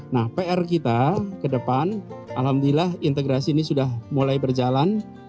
nah pr kita ke depan alhamdulillah integrasi ini sudah mulai berjalan